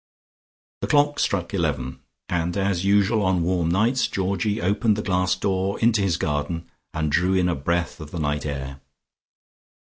The clock struck eleven, and, as usual on warm nights Georgie opened the glass door into his garden and drew in a breath of the night air.